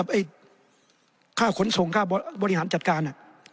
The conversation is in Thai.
ดีเปลี่ยน